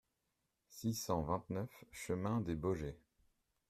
six cent vingt-neuf chemin des Bogeys